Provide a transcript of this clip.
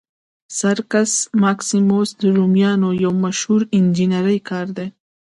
سرکس ماکسیموس د رومیانو یو مشهور انجنیري کار دی.